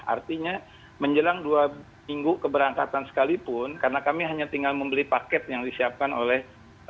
artinya menjelang dua minggu keberangkatan sekalipun karena kami hanya tinggal membeli paket yang disiapkan oleh